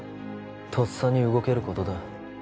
とっさに動けることだ